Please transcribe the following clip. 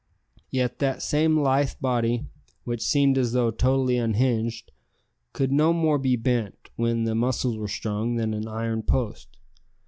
Yet that same lithe body, which seemed as though totally unhinged, could no more be bent, when the muscles were strung, than an iron post.